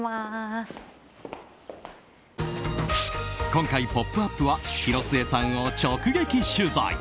今回、「ポップＵＰ！」は広末さんを直撃取材。